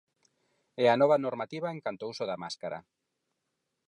É a nova normativa en canto ao uso da máscara.